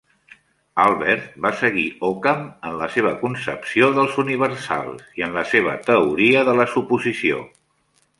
Albert va seguir Ockham en la seva concepció dels universals i en la seva teoria de la suposició.